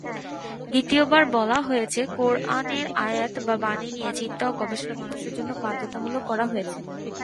দ্বিতীয়ত বলা হয়েছে, কোরআনের আয়াত বা বাণী নিয়ে চিন্তা ও গবেষণা মানুষের জন্য বাধ্যতামূলক করা হয়েছে।